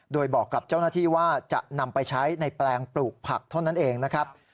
โดยบอกกับเจ้าหน้าที่ว่าจะนำไปใช้ในแปลงปลูกผักเท่านั้นเองนะครับ